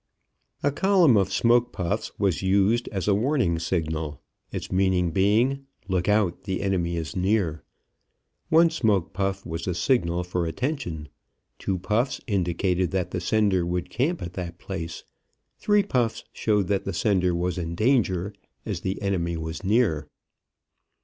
A column of smoke puffs was used as a warning signal, its meaning being: Look out, the enemy is near. One smoke puff was a signal for attention; two puffs indicated that the sender would camp at that place. Three puffs showed that the sender was in danger, as the enemy was near.